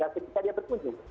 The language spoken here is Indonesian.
seperti kita dia berkunjung